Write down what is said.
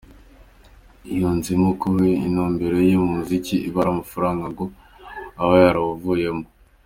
Yunzemo ko intumbero ye mu muziki iyo iba ari amafaranga ngo aba yarawuvuyemo.